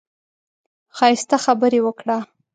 ښايسته خبرې وکړه.